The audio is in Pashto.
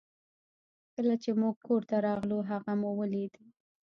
کله چې موږ کور ته راغلو هغه مو ولید